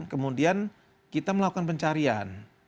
kemudian kita melakukan pencarian